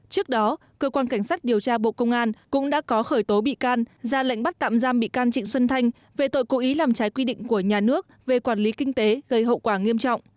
trước đó cơ quan cảnh sát điều tra bộ công an cũng đã có khởi tố bị can ra lệnh bắt tạm giam bị can trịnh xuân thanh về tội cố ý làm trái quy định của nhà nước về quản lý kinh tế gây hậu quả nghiêm trọng